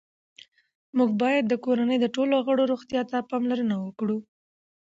موږ باید د کورنۍ د ټولو غړو روغتیا ته پاملرنه وکړو